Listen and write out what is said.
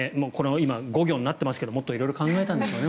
今、５行になっていますけどもっと色々考えたんでしょうね。